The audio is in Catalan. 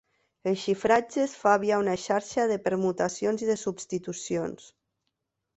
El xifratge es fa via una xarxa de permutacions i de substitucions.